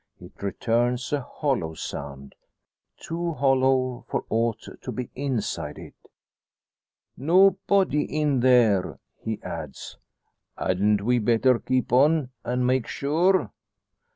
It returns a hollow sound too hollow for aught to be inside it! "No body in there!" he adds. "Hadn't we better keep on, an' make sure?"